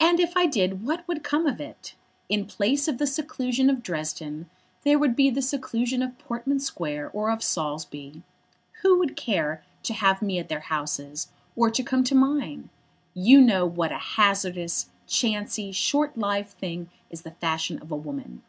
"And if I did what would come of it? In place of the seclusion of Dresden, there would be the seclusion of Portman Square or of Saulsby. Who would care to have me at their houses, or to come to mine? You know what a hazardous, chancy, short lived thing is the fashion of a woman.